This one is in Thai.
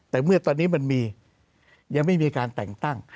แต่เมื่อตอนนี้มันมียังไม่มีการแต่งตั้ง